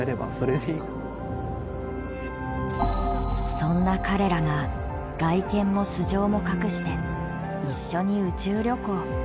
そんな彼らが外見も素性も隠して一緒に宇宙旅行。